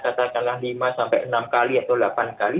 katakanlah lima sampai enam kali atau delapan kali